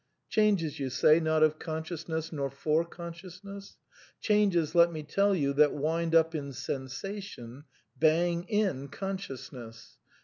Changes, you say, not of consciousness nor for consciousness ? Changes, let me tell you, that wind up in sensation, bang in con sciousness.